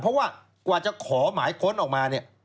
เพราะว่ากว่าจะขอหมายค้นออกมาเนี่ย